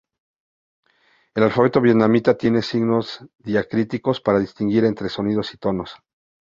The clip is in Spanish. El alfabeto vietnamita tiene signos diacríticos para distinguir entre sonidos y tonos.